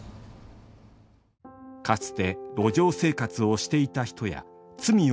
かつて路上生活をしていた人や罪を犯した人。